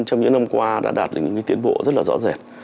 trong những năm qua đã đạt được những tiến bộ rất là rõ rệt